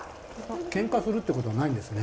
けんかするってことはないんですね。